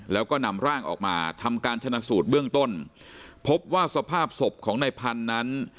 แล้วก็นำร่างออกมาทำการชนะสูตรเบื้องต้นพบว่าสภาพศพของนายพันธุ์นั้น